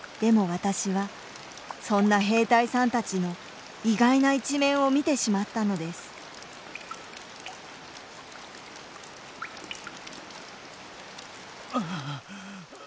私はそんな兵隊さんたちの意外な一面を見てしまったのですうう。